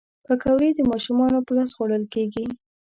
پکورې د ماشومانو په لاس خوړل کېږي